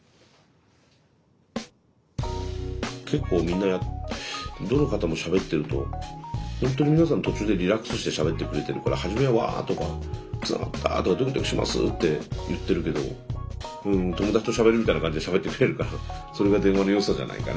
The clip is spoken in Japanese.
結構みんなどの方もしゃべってるとほんとに皆さん途中でリラックスしてしゃべってくれてるから初めは「わ！」とか「つながった」とか「ドキドキします」って言ってるけどうん友達としゃべるみたいな感じでしゃべってくれるからそれが電話の良さじゃないかね。